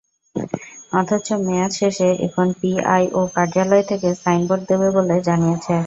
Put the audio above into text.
অথচ মেয়াদ শেষে এখন পিআইও কার্যালয় থেকে সাইনবোর্ড দেবে বলে জানিয়েছে।